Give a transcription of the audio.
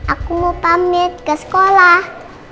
aku mau pamit ke sekolah